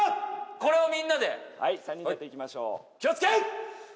これをみんなで３人でやっていきましょう気をつけ！